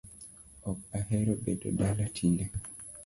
Ok ahero bedo dala tinde